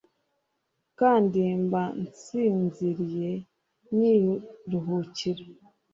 kandi mba nsinziriye, niruhukira